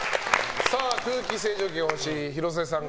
空気清浄機が欲しい廣瀬さん